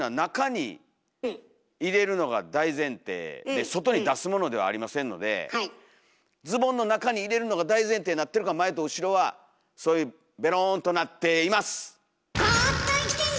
えと外に出すものではありませんのでズボンの中に入れるのが大前提になってるから前と後ろはそういうベロンとなっています！